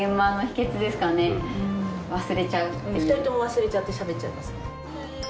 ２人とも忘れちゃってしゃべっちゃいますね。